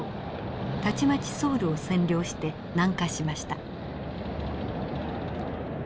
たちまちソウルを占領して南下しました。